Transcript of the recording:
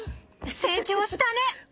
成長したね！